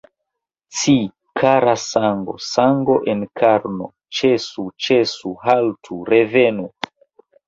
Ci, kara sango, sango en karno, ĉesu, ĉesu, haltu, revenu!